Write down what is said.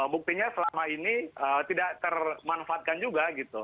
buktinya selama ini tidak termanfaatkan juga gitu